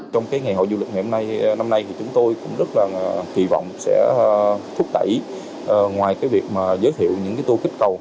trong ngày hội du lịch năm nay chúng tôi rất kỳ vọng sẽ thúc đẩy ngoài việc giới thiệu những tour kích cầu